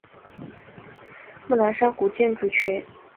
木兰山古建筑群为湖北省文物保护单位。